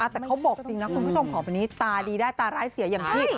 แต่เขาบอกจริงนะคุณผู้ชมของวันนี้ตาดีได้ตาร้ายเสียอย่างที่